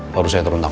baru saya turun dong